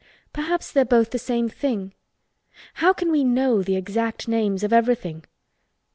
"Perhaps they are both the same thing. How can we know the exact names of everything?